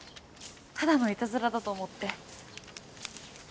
ただのいたずらだと思って。